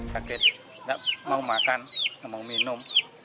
sakit tidak mau makan tidak mau minum